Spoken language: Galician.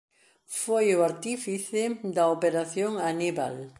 Foi o artífice da Operación Aníbal.